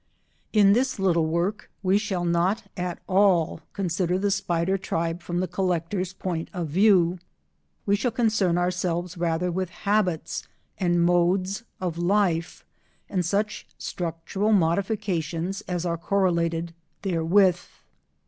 In this little work we shall not at all consider the spider tribe from the collector's point of view. We shall concern ourselves rather with habits and modes of life and such structural modifications as are correlated therewith.